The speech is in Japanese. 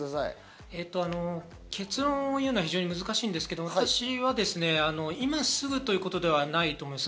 結論を言うのは非常に難しいですけど、私は今すぐということではないと思います。